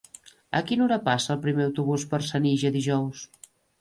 A quina hora passa el primer autobús per Senija dijous?